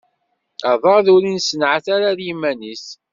Aḍad ur issenɛat ara ar yiman-is.